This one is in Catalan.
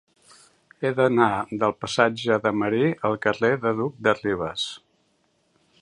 He d'anar del passatge de Marí al carrer del Duc de Rivas.